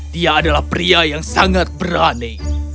dia adalah pria yang sangat berani